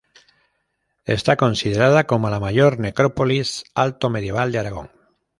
Está considerada como la mayor necrópolis alto medieval de Aragón.